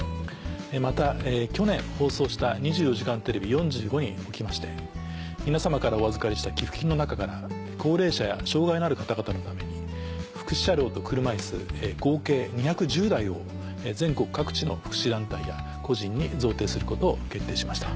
また去年放送した『２４時間テレビ４５』におきまして皆さまからお預かりした寄付金の中から高齢者や障がいのある方々のために福祉車両と車いす合計２１０台を全国各地の福祉団体や個人に贈呈することを決定しました。